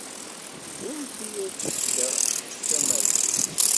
Seg wansi ay as-d-tekka ccama-nni?